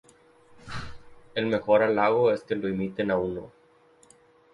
El mejor halago es que lo imiten a uno.